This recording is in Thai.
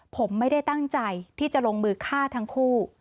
ผมไม่ได้ตั้งใจที่จะลงมือฆ่าทั้งคู่